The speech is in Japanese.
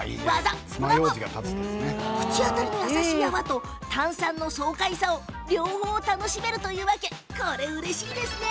口当たりの優しい泡と炭酸の爽快さを両方楽しめるというわけ。